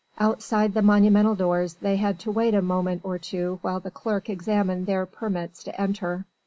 Outside the monumental doors they had to wait a moment or two while the clerk examined their permits to enter.